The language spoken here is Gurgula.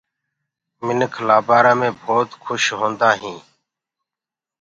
منک لآبآرآ مي ڀوت کوُش هوندآ هينٚ۔